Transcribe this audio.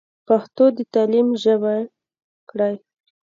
پښتو د تعليم ژبه کړئ.